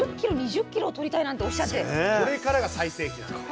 これからが最盛期なので。